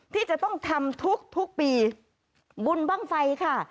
ที่จะต้องทำทุกปีบุญบ้างไฟค่ะ